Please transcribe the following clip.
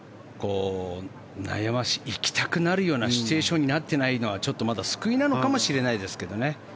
行きたくなるようなシチュエーションになってないのはちょっとまだ救いなのかもしれないですね。